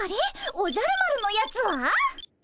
おじゃる丸のやつは？